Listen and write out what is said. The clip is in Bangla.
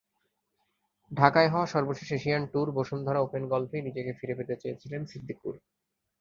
ঢাকায় হওয়া সর্বশেষ এশিয়ান ট্যুর বসুন্ধরা ওপেন গলফেই নিজেকে ফিরে পেতে চেয়েছিলেন সিদ্দিকুর।